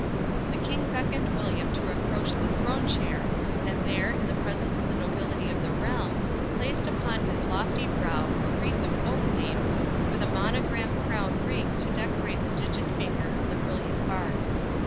The King beckoned William to approach the throne chair, and there, in the presence of the nobility of the realm, placed upon his lofty brow a wreath of oak leaves, with a monogram crown ring to decorate the digit finger of the brilliant Bard.